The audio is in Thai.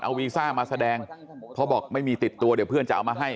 วีซ่ามาแสดงเพราะบอกไม่มีติดตัวเดี๋ยวเพื่อนจะเอามาให้